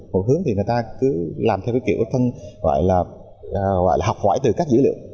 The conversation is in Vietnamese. một hướng thì người ta cứ làm theo kiểu gọi là học hoại từ các dữ liệu